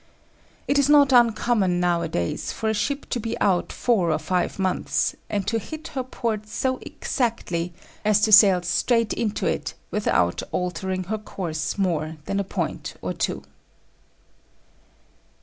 It is not uncommon nowadays for a ship to be out four or five months, and to hit her port so exactly as to sail straight into it without altering her course more than a point or two.